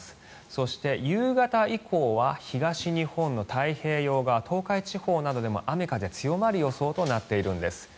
そして、夕方以降は東日本の太平洋側東海地方などでも雨風強まる予想となっているんです。